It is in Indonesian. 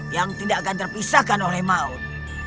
yang tidak akan terpisahkan oleh maut